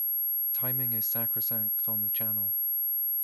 Timing is sacrosanct on the channel.